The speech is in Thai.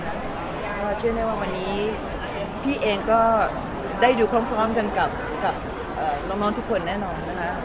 เพราะว่าเชื่อแน่ว่าวันนี้พี่เองก็ได้ดูพร้อมกันกับน้องทุกคนแน่นอนนะคะ